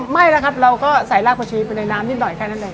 อ๋อไม่นะครับเราก็ใส่รากผัดชีวิตไปในน้ำนิดหน่อยแค่นั้นเอง